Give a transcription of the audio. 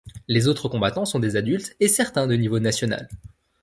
Les autres combattants sont des adultes et certains de niveau national.